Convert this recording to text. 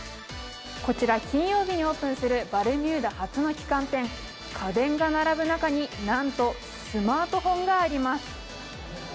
こちら金曜日にオープンするバルミューダ初の旗艦店、家電が並ぶ中に、なんとスマートフォンがあります。